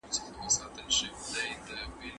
د ګازرو جوس سترګو ته ګټه کوي.